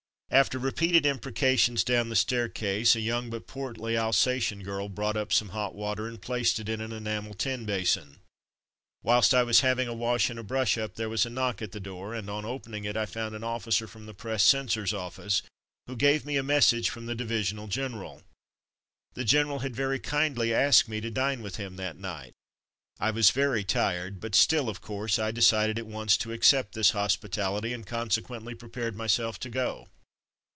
After repeated imprecations down the staircase, a young, but portly, Alsatian girl brought up some hot water and placed it in the enamel tin basin. Whilst I was having a wash and brush up, there was a knock at the door, and on opening it I found an officer from the Press Censor's office, who gave me a message from the divisional gen eral. The general had very kindly asked me to dine with him that night. I was very tired, but still, of course I decided at once to accept this hospitality, and con sequently prepared myself to go.